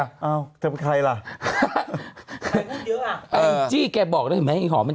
อ้าวเธอเป็นใครล่ะใครพูดเยอะอ่ะเออจี้แกบอกได้ไหมอีหอมมัน